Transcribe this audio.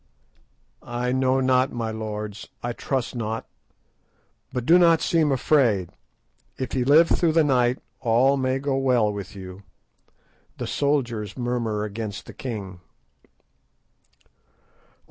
"I know not, my lords, I trust not; but do not seem afraid. If ye live through the night all may go well with you. The soldiers murmur against the king."